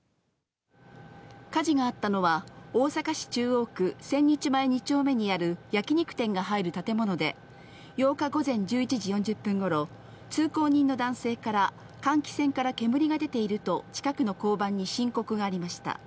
火事があったのは大阪市中央区千日前２丁目にある焼き肉店が入る建物で、８日午前１１時４０分ごろ、通行人の男性から換気扇から煙が出ていると近くの交番に申告がありました。